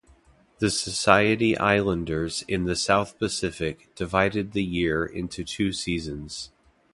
The Society Islanders in the South Pacific divided the year into two seasons.